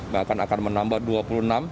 bahkan akan menambah dua puluh enam